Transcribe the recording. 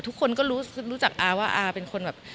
ทุกคนก็รู้จักอาว่าอาเป็นคนแบบ